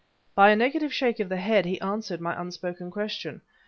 By a negative shake of the head, he answered my unspoken question.